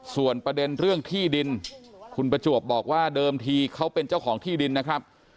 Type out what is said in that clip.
ส่วนประเด็นเรื่องที่ดินคุณประจวบบอกว่าเดิมทีเขาเป็นเจ้าของที่ดินนะครับ